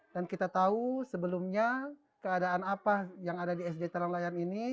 dan kita tahu sebelumnya keadaan apa yang ada di sd telang layar ini